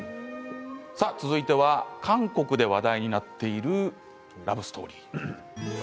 続いては韓国で話題になっているラブストーリー。